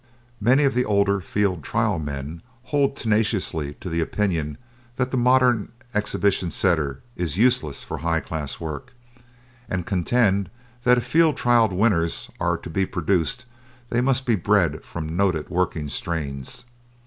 Many of the older field trial men hold tenaciously to the opinion that the modern exhibition Setter is useless for high class work, and contend that if field trial winners are to be produced they must be bred from noted working strains.